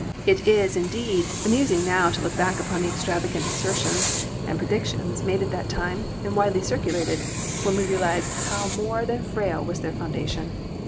It is, indeed, amusing now to look back upon the extravagant assertions and predictions made at that time and widely circulated when we realize how 236 ELECTRICITY more than frail was their foundation.